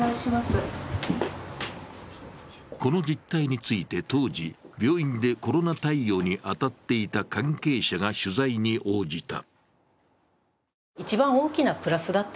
この実態について当時、病院でコロナ対応に当たっていた関係者が取材に応じた。